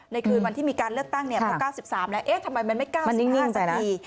คืนวันที่มีการเลือกตั้งพอ๙๓แล้วเอ๊ะทำไมมันไม่ก้าวนิ่งสักที